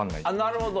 なるほど。